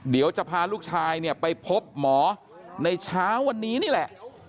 เดี๋ยวจะพาลูกชายเนี่ยไปพบหมอในเช้าวันนี้นี่แหละ